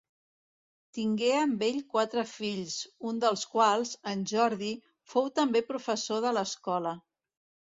Tingué amb ell quatre fills, un dels quals, en Jordi, fou també professor de l'Escola.